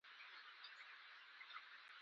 نظم یې زیات برابر نه و.